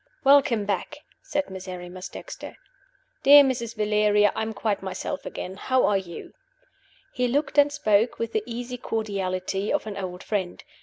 "Welcome back!" said Miserrimus Dexter. "Dear Mrs. Valeria, I am quite myself again. How are you?" He looked and spoke with the easy cordiality of an old friend.